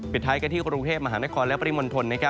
เป็นท้ายกันที่กรกฤทธิ์มหานครและปริมณฑล